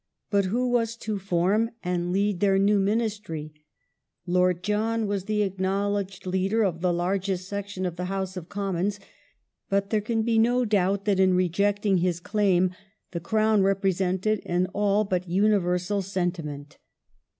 But who was to form and lead their new Ministry ? Lord John was the acknow ledged leader of the largest section of the House of Commons, but there can be no doubt that in rejecting his claim the Crown repre sented an all but universal sentiment.